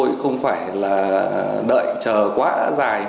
chúng tôi không phải là đợi chờ quá dài